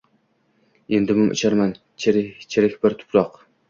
Endi mum ichraman, chirik bir tuproq”.